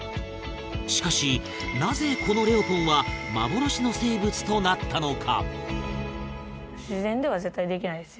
しかし、なぜ、このレオポンは幻の生物となったのか？